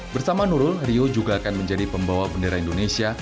bersama nurul rio juga akan menjadi pembawa bendera indonesia